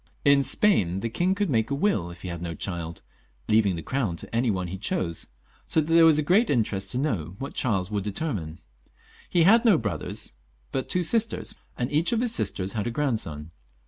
In Spain the king could make a will if he had no child, leaving the Crown to any one he chose, so that there was great interest to know what Charles wonld settle. He had had no brothers, but two sisters, and each of his sisters had a grandson.